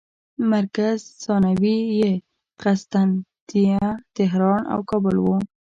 مرکز ثانوي یې قسطنطنیه، طهران او کابل وو.